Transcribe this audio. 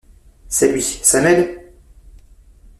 C’est lui, Samuel!